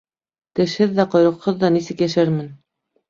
Тешһеҙ ҙә, ҡойроҡһоҙ ҙа нисек йәшәрмен!